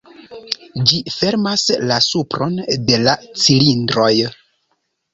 Ĝi fermas la supron de la cilindroj.